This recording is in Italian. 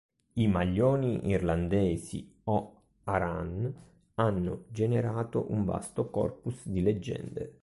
I maglioni irlandesi, o Aran, hanno generato un vasto corpus di leggende.